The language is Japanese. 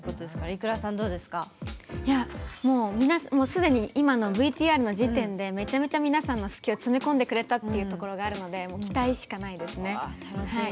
すでにＶＴＲの時点でめちゃめちゃ皆さんの好きを詰め込んでくれたってところがあるので期待しかないですね。